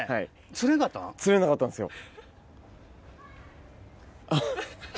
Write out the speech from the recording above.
釣れなかったんですよ。